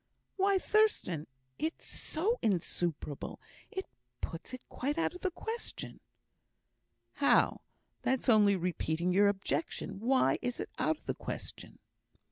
"Why, Thurstan! it's so insuperable, it puts it quite out of the question." "How? that's only repeating your objection. Why is it out of the question?"